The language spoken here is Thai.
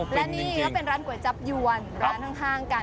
และนี่ก็เป็นร้านก๋วยจับยวนร้านข้างกัน